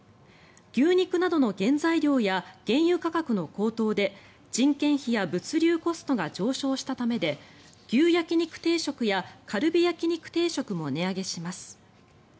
牛肉などの原材料や原油価格の高騰で人件費や物流コストが上昇したためで牛焼肉定食やカルビ焼肉定食も値上げします。